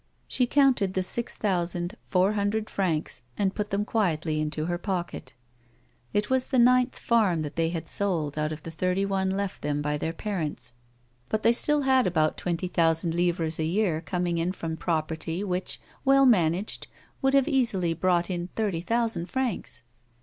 She counted the six thousand, four hundred francs, and put them quietly into her pocket. It was the ninth farm that they had sold out of the thirty one left them by their parents; but they still had A WOMAN'S LIFE. 11 about twenty thousand livres a year coming in from pro perty which, well managed, would have easily brought in thirty thousand francs.